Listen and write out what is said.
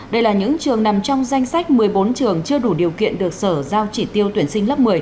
đây là những trường nằm trong danh sách một mươi bốn trường chưa đủ điều kiện được sở giao chỉ tiêu tuyển sinh lớp một mươi